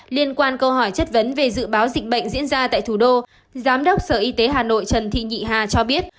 liên quan câu hỏi chất vấn về dự báo dịch bệnh diễn ra tại thủ đô giám đốc sở y tế hà nội trần thị nhị hà cho biết